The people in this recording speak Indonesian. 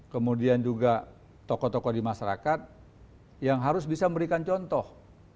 kemudian juga tokoh tokoh di masyarakat yang harus bisa memberikan contoh